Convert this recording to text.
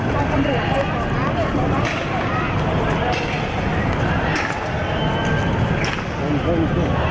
สวัสดีครับ